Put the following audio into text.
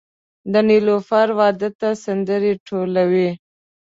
د نیلوفر واده ته سندرې ټولوي